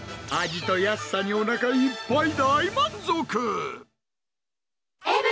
味と安さにおなかいっぱい、大満足。